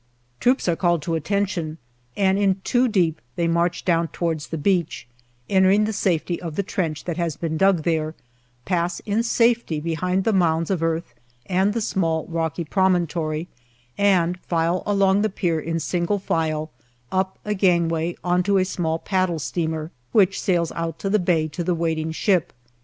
Troops are called to attention, and in two deep they march down towards the beach, entering the safety of the trench that has been dug there, pass in safety behind the mounds of earth and the small, rocky promontory, and file along the pier in single file up a gangway on to a small paddle steamer, which sails out to the bay to the waiting ship.